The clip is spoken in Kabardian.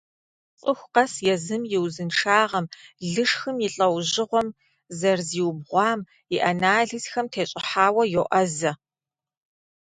ЦӀыху къэс езым и узыншагъэм, лышхым и лӀэужьыгъуэм, зэрызиубгъуам, и анализхэм тещӀыхьауэ йоӀэзэ.